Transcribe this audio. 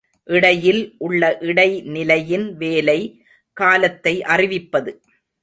இடையில் உள்ள இடை நிலையின் வேலை காலத்தை அறிவிப்பது.